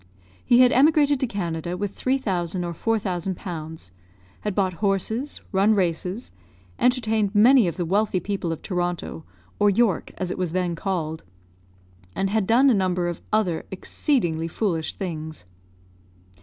He had emigrated to Canada with 3,000 or 4,000 pounds, had bought horses, run races, entertained many of the wealthy people of Toronto, or York, as it was then called, and had done a number of other exceedingly foolish things.